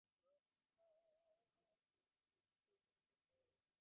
পরে Barishal Sher-e-Bangla medical college হাসপাতালে নেওয়ার পথে তিনি মারা যান।